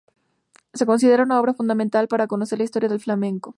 Se considera una obra fundamental para conocer la historia del flamenco.